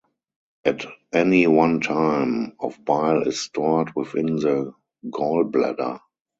At any one time, of bile is stored within the gallbladder.